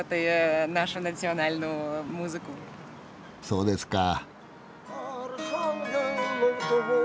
そうですか。